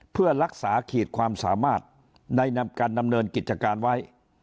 เพื่อรักษาขีดความสามารถในการดำเนินกิจการไว้